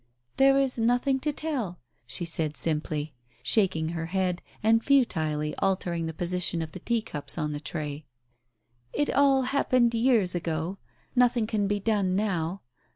"There is nothing to tell," she said simply, shaking her head, and futilely altering the position of the tea cups on the tray. " It all happened years ago. Nothing can be done now.